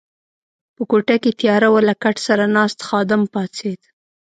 په کوټه کې تیاره وه، له کټ سره ناست خادم پاڅېد.